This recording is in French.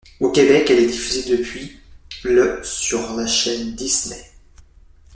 Au Québec, elle est diffusée depuis le sur La Chaîne Disney.